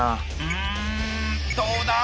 うんどうだ？